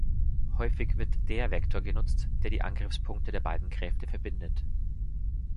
Häufig wird der Vektor genutzt, der die Angriffspunkte der beiden Kräfte verbindet.